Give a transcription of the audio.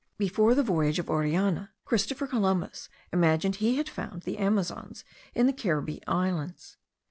Before the voyage of Orellana, Christopher Columbus imagined he had found the Amazons in the Caribbee Islands.